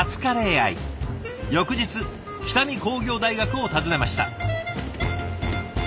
翌日北見工業大学を訪ねました。